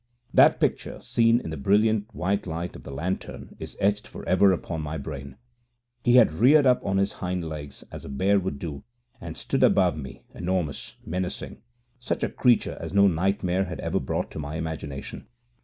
That picture, seen in the brilliant white light of the lantern, is etched for ever upon my brain. He had reared up on his hind legs as a bear would do, and stood above me, enormous, menacing such a creature as no nightmare had ever brought to my imagination.